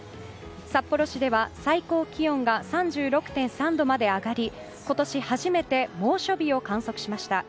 札幌市では最高気温が３６．３度まで上がり今年初めて猛暑日を観測しました。